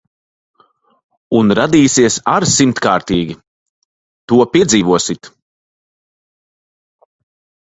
Un radīsies ar simtkārtīgi. To piedzīvosit.